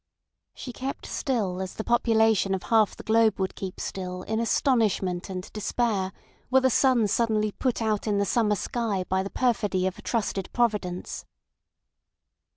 She kept still as the population of half the globe would keep still in astonishment and despair, were the sun suddenly put out in the summer sky by the perfidy of a trusted providence.